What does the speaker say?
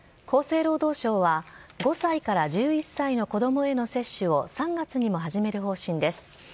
厚生労働省は、５歳から１１歳の子どもへの接種を３月にも始める方針です。